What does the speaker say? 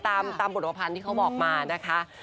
ตามบทพรรณที่เขาบอกมานะคะ